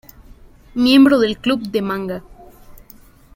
Miembro del club de manga.